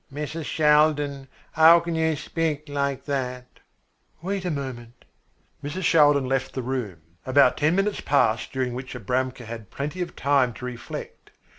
"Mrs. Shaldin, how can you speak like that?" "Wait a moment." Mrs. Shaldin left the room. About ten minutes passed during which Abramka had plenty of time to reflect.